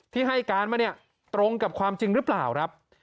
ที่ให้การมาเนี่ยตรงกับความจริงหรือเปล่าครับ